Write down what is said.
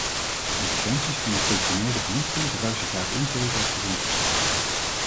Interventies van de veterinaire diensten druisen vaak in tegen het gezond verstand.